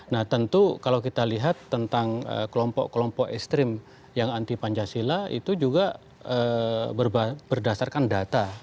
nah tentu kalau kita lihat tentang kelompok kelompok ekstrim yang anti pancasila itu juga berdasarkan data